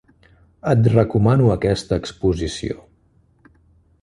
Et recomano aquesta exposició.